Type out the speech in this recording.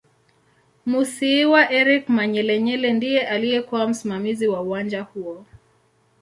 Musiiwa Eric Manyelenyele ndiye aliyekuw msimamizi wa uwanja huo